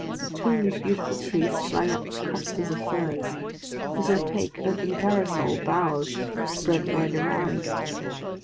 Between these beautiful trees sprang up clusters of firs, whose opaque open parasol boughs spread wide around.